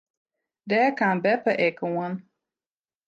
Dêr kaam beppe ek oan.